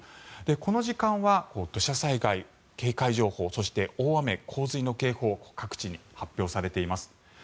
この時間は土砂災害警戒情報そして、大雨・洪水の警報各地に発表されています。